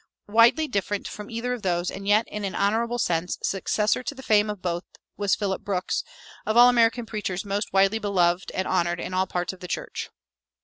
Widely different from either of these, and yet in an honorable sense successor to the fame of both, was Phillips Brooks, of all American preachers most widely beloved and honored in all parts of the church.